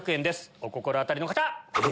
お心当たりの方！